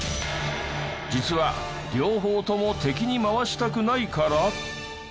実は両方とも敵に回したくないから？